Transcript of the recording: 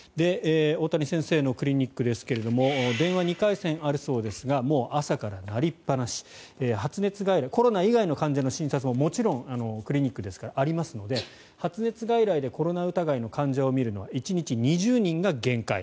大谷先生のクリニックですが電話２回線あるそうですがもう朝から鳴りっぱなし発熱外来コロナ以外の患者の診察ももちろんクリニックですからありますので、発熱外来でコロナ疑いの患者を診るのは１日２０人が限界。